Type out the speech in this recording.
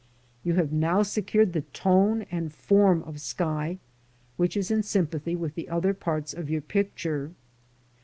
You have now secured the tone and form of sky which is in sympathy with the other parts of your picture.